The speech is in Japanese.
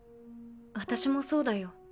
私もそうだよ。